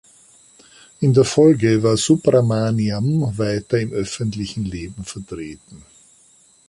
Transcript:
In der Folge war Subramaniam weiter im öffentlichen Leben vertreten.